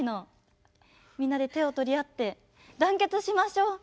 みんなで手を取り合って団結しましょう！